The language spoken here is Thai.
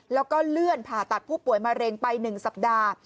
แล้วก็เลื่อนผ่าตัดผู้ป่วยมะเร็งไป๑สัปดาห์